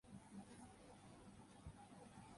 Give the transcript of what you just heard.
জমিদার বাড়ির সামনে বিশাল মাঠ।